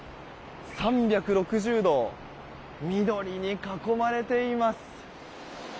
３６０度、緑に囲まれています！